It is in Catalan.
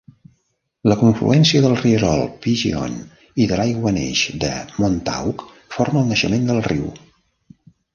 La confluència del rierol Pigeon i de l'aiguaneix de Montauk forma el naixement del riu.